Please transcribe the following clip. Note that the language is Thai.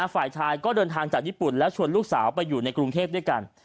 ฝ่ายชายก็เดินทางจากญี่ปุ่นแล้วชวนลูกสาวไปอยู่ในกรุงเทพด้วยกัน